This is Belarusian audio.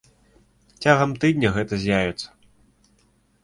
Цягам тыдня гэта з'явіцца.